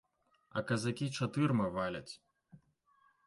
А казакі чатырма валяць.